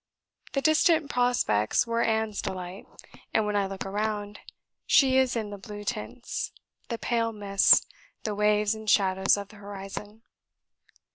The distant prospects were Anne's delight, and when I look round, she is in the blue tints, the pale mists, the waves and shadows of the horizon.